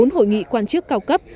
bốn hội nghị quan chức cao cấp